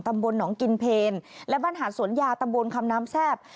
ตำบลหนองกินเพลและบ้านหาดสวนยาตำบลคำน้ำแซ่บ